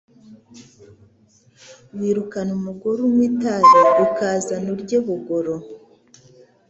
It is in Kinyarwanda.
Wirukana umugore unywa itabi ukazana urya ubugoro